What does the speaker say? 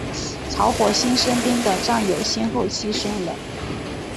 曹火星身边的战友先后牺牲了。